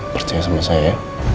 percaya sama saya ya